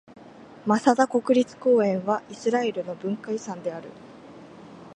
マサダ国立公園はイスラエルの文化遺産である。